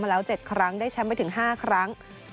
มาแล้ว๗ครั้งได้แชมป์ไปถึงพี่ห้าครั้ง